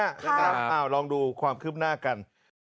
เอาลองดูความคืบหน้ากัน